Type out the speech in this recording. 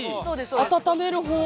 温める方が。